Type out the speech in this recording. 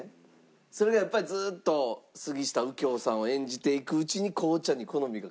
それがやっぱりずーっと杉下右京さんを演じていくうちに紅茶に好みが変わってくるという。